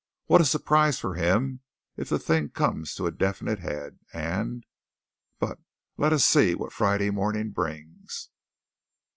What a surprise for him if the thing comes to a definite head, and but let us see what Friday morning brings."